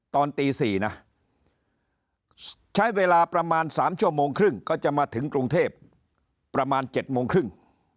ตอนตี๔นะใช้เวลาประมาณ๓ชั่วโมงครึ่งก็จะมาถึงกรุงเทพประมาณ๗โมงครึ่ง